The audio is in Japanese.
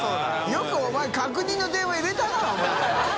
茲お前確認の電話入れたなお前。